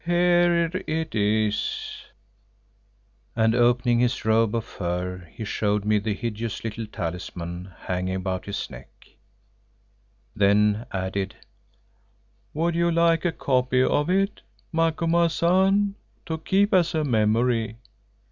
Here it is," and opening his robe of fur, he showed me the hideous little talisman hanging about his neck, then added, "Would you like a copy of it, Macumazahn, to keep as a memory?